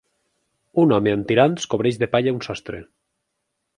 Un home amb tirants cobreix de palla un sostre.